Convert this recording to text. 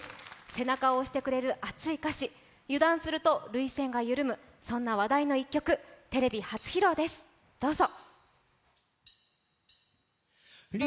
背中を押してくれる熱い歌詞、油断すると涙腺が緩む、そんな話題の一曲、テレビ初披露です、どうぞ。